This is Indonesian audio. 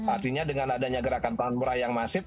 artinya dengan adanya gerakan pangan murah yang masif